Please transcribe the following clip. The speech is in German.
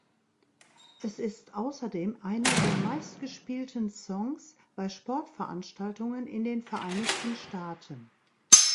Es ist außerdem einer der meistgespielten Songs bei Sportveranstaltungen in den Vereinigten Staaten.